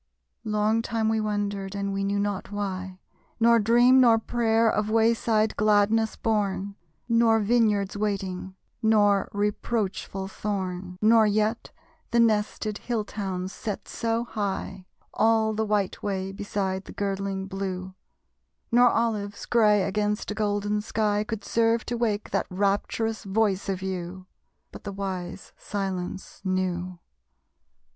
Long time we wondered (and we knew not why): Nor dream, nor prayer, of wayside gladness born, Nor vineyards waiting, nor reproachful thorn, Nor yet the nested hill towns set so high All the white way beside the girdling blue, Nor olives, gray against a golden sky, Could serve to wake that rapturous voice of you! But the wise silence knew.